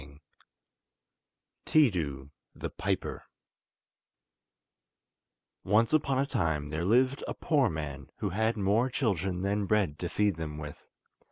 ] Tiidu The Piper Once upon a time there lived a poor man who had more children than bread to feed them with.